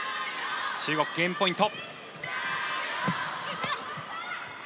中国、ゲームポイント。